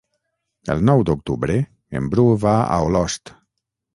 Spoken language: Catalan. El nou d'octubre en Bru va a Olost.